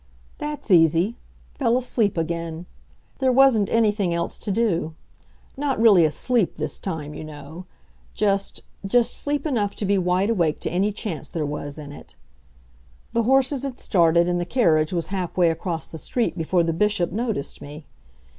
That's easy fell asleep again. There wasn't anything else to do. Not really asleep this time, you know; just, just asleep enough to be wide awake to any chance there was in it. The horses had started, and the carriage was half way across the street before the Bishop noticed me.